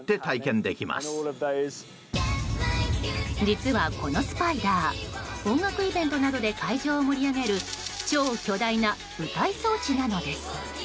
実は、このスパイダー音楽イベントなどで会場を盛り上げる超巨大な舞台装置なのです。